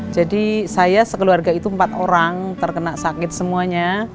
jadi saya sekeluarga itu empat orang terkena sakit semuanya